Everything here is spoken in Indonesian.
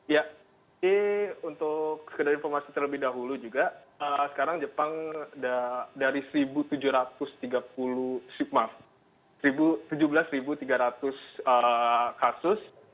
ya untuk sekedar informasi terlebih dahulu juga sekarang jepang dari satu tujuh ratus tiga puluh maaf tujuh belas tiga ratus kasus